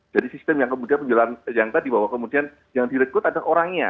sistem yang kemudian yang tadi bahwa kemudian yang direkrut ada orangnya